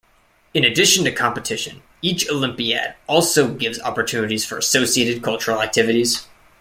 In addition to competition, each Olympiad also gives opportunities for associated cultural activities.